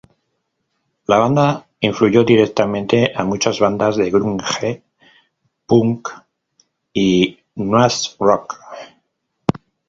La banda influyó directamente a muchas bandas de grunge, punk y "noise rock".